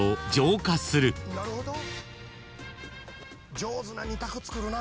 上手な２択作るなぁ。